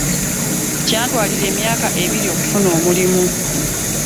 Kyantwalira emyaka ebiri okufuna omulimu.